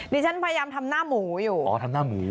ฉันพยายามทำหน้าหมูอยู่อ๋อทำหน้าหมู